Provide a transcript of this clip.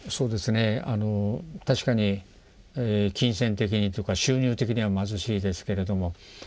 確かに金銭的にとか収入的には貧しいですけれども。